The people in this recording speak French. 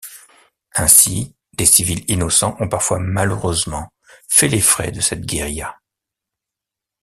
Ainsi, des civils innocents ont parfois malheureusement fait les frais de cette guérilla.